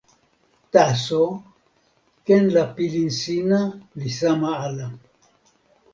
taso, ken la pilin sina li sama ala.